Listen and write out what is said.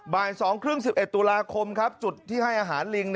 บ่าย๒๓๐๑๑ตุลาคมจุดที่ให้อาหารลิง